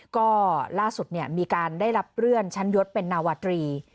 ก็ล่าสุดมีการได้รับเลื่อนชั้นยศเป็นนาวาตรี